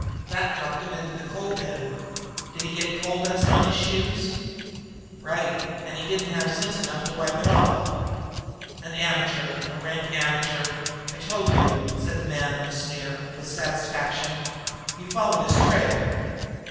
"That dropped him into the coal bin. Did he get coal dust on his shoes?" "Right; and he didn't have sense enough to wipe it off." "An amateur a rank amateur! I told you!" said the man of the sneer, with satisfaction. "You followed his trail?"